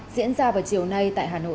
diễn ra vào chiều nay tại hà nội